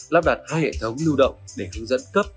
lắp đặt hai hệ thống lưu động để hướng dẫn cấp